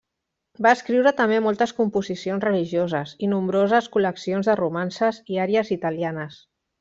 Va escriure també moltes composicions religioses i nombroses col·leccions de romances i àries italianes.